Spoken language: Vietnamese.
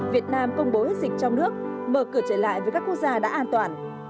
việt nam công bố hết dịch trong nước mở cửa trở lại với các quốc gia đã an toàn